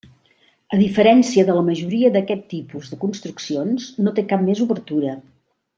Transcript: A diferència de la majoria d'aquest tipus de construccions, no té cap més obertura.